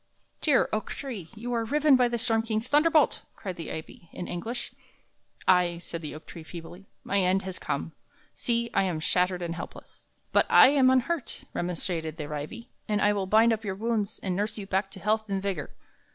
"Dear oak tree, you are riven by the storm king's thunderbolt!" cried the ivy, in anguish. "Ay," said the oak tree, feebly, "my end has come; see, I am shattered and helpless." "But I am unhurt," remonstrated the ivy, "and I will bind up your wounds and nurse you back to health and vigor."